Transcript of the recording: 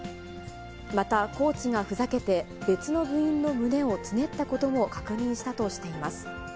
また、コーチがふざけて、別の部員の胸をつねったことも確認したとしています。